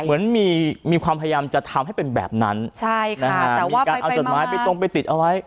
เหมือนมีความพยายามจะทำให้เป็นแบบนั้นใช่ค่ะนะฮะมีการเอาจดหมายไปตรงไปติดเอาไว้